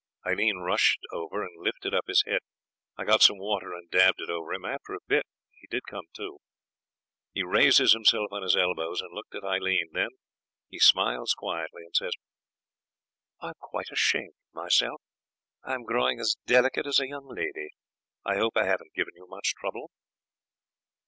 Aileen rushed over and lifted up his head. I got some water and dabbed it over him. After a bit he came to. He raises himself on his elbows and looks at Aileen. Then he smiles quietly and says 'I'm quite ashamed of myself. I'm growing as delicate as a young lady. I hope I haven't given you much trouble.'